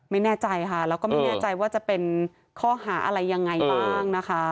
ไม่แน่ใจค่ะแล้วก็ไม่แน่ใจว่าจะเป็นข้อหาอะไรยังไงบ้างนะคะ